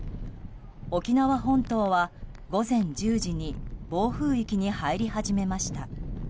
沖縄本島は午前１０時に暴風域に入り始めました。